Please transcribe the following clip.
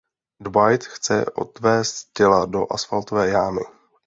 Dwight chce odvézt těla do asfaltové jámy.